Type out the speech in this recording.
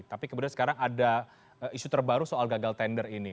tapi kemudian sekarang ada isu terbaru soal gagal tender ini